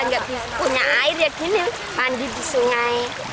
nggak punya air ya gini mandi di sungai